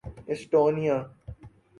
Estonia